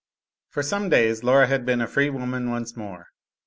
For some days Laura had been a free woman once more.